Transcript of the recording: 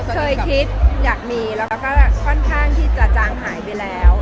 เคยคิดอยากมีแล้วก็ค่อนข้างที่จะจางหายไปแล้ว